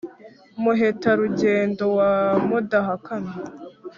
muheta-rugendo wa mudahakana